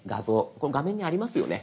これ画面にありますよね？